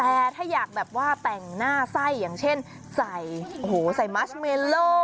แต่ถ้าอยากแบบว่าแต่งหน้าไส้อย่างเช่นใส่โอ้โหใส่มัสเมโล